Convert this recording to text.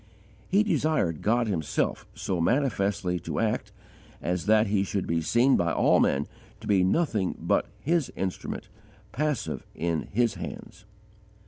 He desired God Himself so manifestly to act as that he should be seen by all men to be nothing but His instrument, passive in His hands.